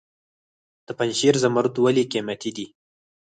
د پنجشیر زمرد ولې قیمتي دي؟